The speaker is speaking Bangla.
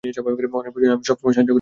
অন্যের প্রয়োজনে আমি সবসময় সাহায্য করি।